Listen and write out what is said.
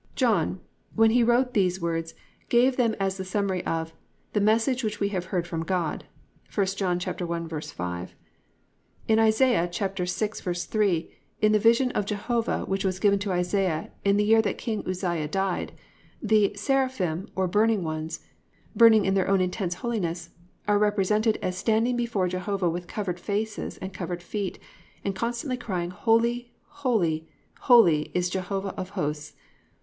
"+ John when he wrote these words gave them as the summary of +"The message which we have heard from God."+ (1 John 1:5.) In Isa. 6:3 in the vision of Jehovah which was given to Isaiah in the year that King Uzziah died, the "seraphim," or "burning ones," burning in their own intense holiness, are represented as standing before Jehovah with covered faces and covered feet and constantly crying, "Holy, holy, holy, is Jehovah of Hosts."